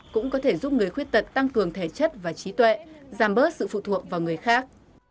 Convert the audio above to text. cũng có thể giúp người khuyết tật tăng cường thể chất và trí tuệ giảm bớt sự phụ thuộc vào người khác